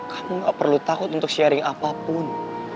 kamu gak perlu takut untuk sharing apapun